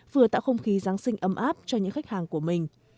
vừa tạo không khí giáng sinh ấm áp cho những khách hàng của mình